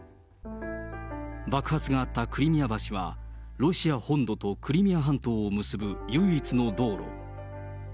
爆発があったクリミア橋は、ロシア本土とクリミア半島を結ぶ唯一の道路。